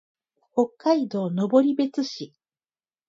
北海道登別市